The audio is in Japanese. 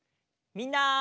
みんな！